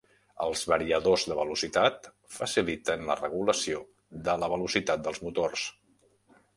Els Variadors de velocitat faciliten la regulació de la velocitat dels motors.